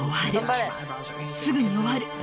すぐに終わる。